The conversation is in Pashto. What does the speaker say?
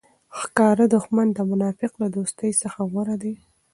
ښکاره دوښمن د منافق له دوستۍ څخه غوره دئ!